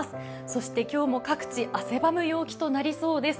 そして今日も各地汗ばむ陽気となりそうです。